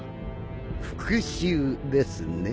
復讐ですね。